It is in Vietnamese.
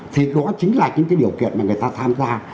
thì đó chính là những cái điều kiện mà người ta tham gia